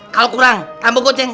kalo kurang tambah goceng